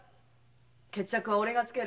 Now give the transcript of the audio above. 決着は俺がつける。